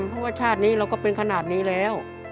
เพราะว่าชาตินี้เราก็เป็นขนาดนี้แล้ว